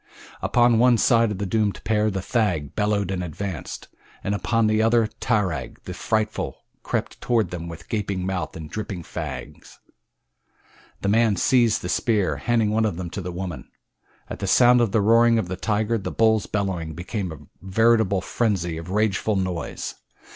Upon one side of the doomed pair the thag bellowed and advanced, and upon the other tarag, the frightful, crept toward them with gaping mouth and dripping fangs. The man seized the spears, handing one of them to the woman. At the sound of the roaring of the tiger the bull's bellowing became a veritable frenzy of rageful noise.